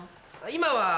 今は。